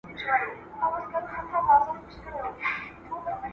آیا ستاسو په سیمه کې د څښاک اوبه پاکې او روغتیایي دي؟